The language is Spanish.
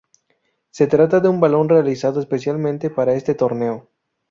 Se trata de un balón realizado especialmente para este torneo.